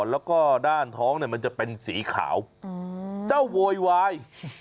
แล้วก็ด้านท้องเนี่ยมันจะเป็นสีขาวเจ้าโวยวาย